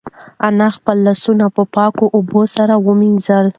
انا خپل لاسونه په پاکو اوبو سره ومینځل.